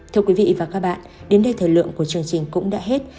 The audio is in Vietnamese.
thưa quý vị và các bạn đến đây thời lượng của chương trình cũng đã hết